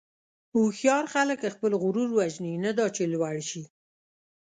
هوښیار خلک خپل غرور وژني، نه دا چې لوړ شي.